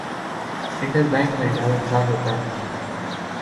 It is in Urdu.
انٹر بینک میں ڈالر چار روپے مہنگا